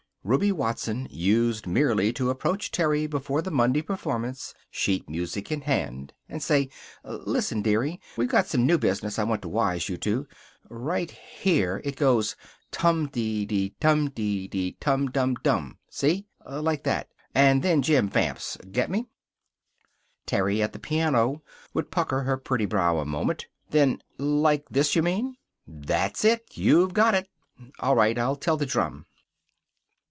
Ruby Watson used merely to approach Terry before the Monday performance, sheet music in hand, and say, "Listen, dearie. We've got some new business I want to wise you to. Right here it goes 'TUM dee dee DUM dee dee TUM DUM DUM.' See? Like that. And then Jim vamps. Get me?" Terry, at the piano, would pucker her pretty brow a moment. Then, "Like this, you mean?" "That's it! You've got it." "All right. I'll tell the drum."